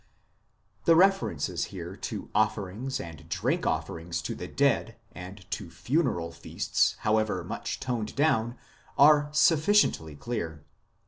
The references here to offerings and drink offerings to the dead, and to funeral feasts, however much toned down, are sufficiently clear.